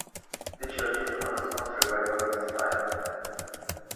The church is Renaissance Revival in style.